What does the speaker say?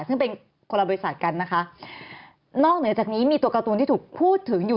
ซึ่งเป็นคนละบริษัทกันนะคะนอกเหนือจากนี้มีตัวการ์ตูนที่ถูกพูดถึงอยู่